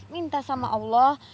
minta sama allah